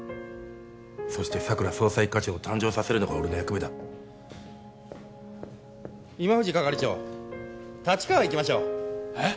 そして佐久良捜査一課長を誕生させるのが俺の役目だ今藤係長立川行きましょうえっ？